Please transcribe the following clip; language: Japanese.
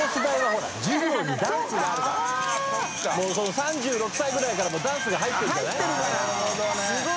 ３６歳ぐらいからもうダンスが入ってるんじゃない？）